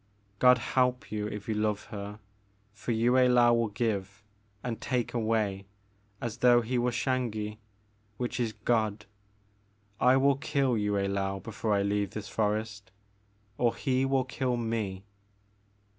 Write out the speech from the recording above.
God help you if you love her for Yue Laou will give, — and take away, as though he were Xangi, which is God. I will kill Yue I^ou before I leave this forest, — or he will kill me.